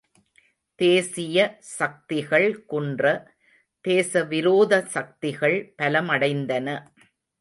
தேசிய சக்திகள் குன்ற, தேசவிரோத சக்திகள் பலமடைந்தன.